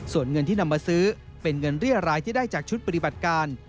ส่วนเงินที่นำมาซื้อเป็นเงินเรียรายที่ได้จากชุดปฏิบัติการ